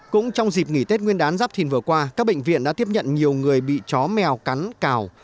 cũng trong dịp nghỉ tết nguyên đán giáp thìn vừa qua các bệnh viện đã tiếp nhận nhiều người bị chó mèo cắn cào